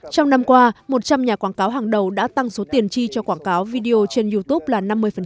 trong năm qua một trăm linh nhà quảng cáo hàng đầu đã tăng số tiền chi cho quảng cáo video trên youtube là năm mươi